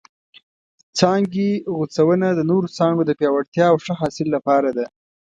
څانګې غوڅونه د نورو څانګو د پیاوړتیا او ښه حاصل لپاره ده.